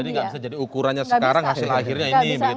jadi gak bisa jadi ukurannya sekarang hasil akhirnya ini